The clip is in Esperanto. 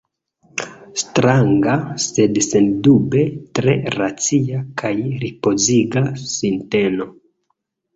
Stranga, sed sendube tre racia kaj ripoziga sinteno.